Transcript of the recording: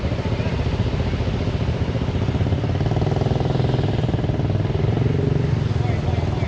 เมื่อเวลาอันดับสุดท้ายจะมีเวลาอันดับสุดท้ายมากกว่า